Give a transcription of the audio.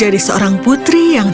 ada kata kata dari si ibu